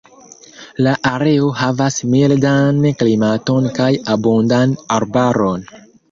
La areo havas mildan klimaton kaj abundan arbaron.